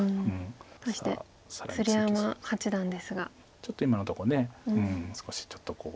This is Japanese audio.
ちょっと今のとこ少しちょっと。